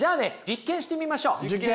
実験してみましょう。